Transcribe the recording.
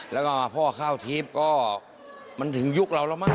แล้วก็พ่อข้าวทิพย์ก็มันถึงยุคเราแล้วมาก